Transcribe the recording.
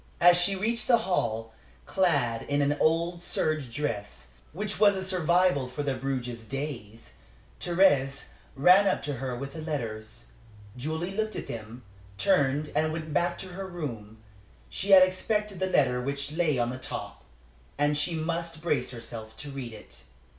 As she reached the hall, clad in an old serge dress, which was a survival from Bruges days, Thérèse ran up to her with the letters. Julie looked through them, turned and went back to her room. She had expected the letter which lay on the top, and she must brace herself to read it.